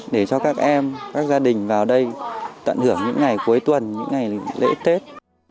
để cho các em các gia đình vào đây tận hưởng những ngày cuối tuần những ngày lễ tết